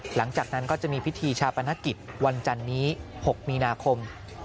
หลังจากนั้นก็จะมีพิธีชาปนกิจวันจันนี้๖มีนาคม